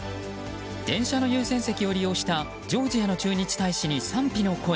電車の優先席を利用したジョージアの駐日大使に賛否の声。